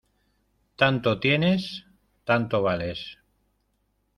Tanto tienes, tanto vales.